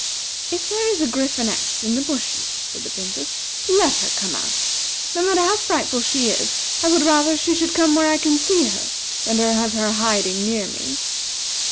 "If there is a Gryphoness in the bushes," said the Princess, "let her come out. No matter how frightful she is, I would rather she should come where I can see her, than to have her hiding near me."